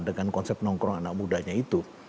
dengan konsep nongkrong anak mudanya itu